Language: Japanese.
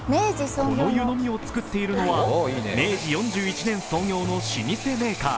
この湯飲みを作っているのは、明治創業の老舗メーカー。